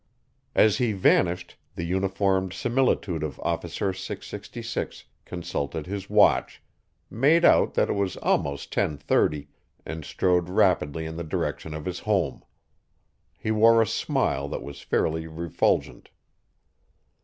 As he vanished, the uniformed similitude of Officer 666 consulted his watch, made out that it was almost 10.30 and strode rapidly in the direction of his home. He wore a smile that was fairly refulgent.